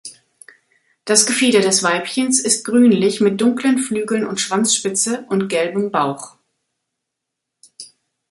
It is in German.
Das Gefieder des Weibchens ist grünlich mit dunklen Flügeln und Schwanzspitze und gelbem Bauch.